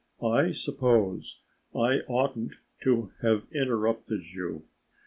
I suppose I oughtn't to have interrupted you.